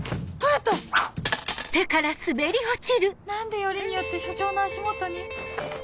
何でよりによって署長の足元に